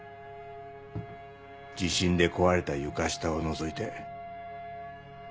地震で壊れた床下をのぞいて。